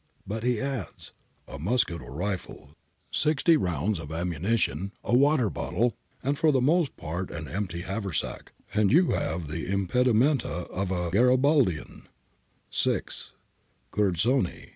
But he adds :' A musket or rifle, sixty rounds of ammunition, a water bottle, and for the most part an empty haversack, and you have the impedimenta of a Garibaldian ' {Forbes, 92). 6. Guerzoni, ii.